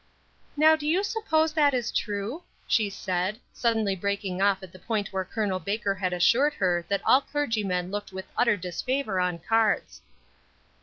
"Now do you suppose that is true?" she said, suddenly breaking off at the point where Col. Baker had assured her that all clergymen looked with utter disfavor on cards.